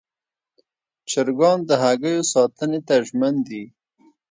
چرګان د هګیو ساتنې ته ژمن دي.